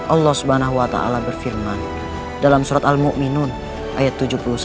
allah swt berfirman dalam surat al mu'minun ayat tujuh puluh satu